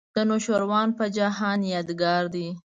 د نوشیروان په جهان یادګار دی.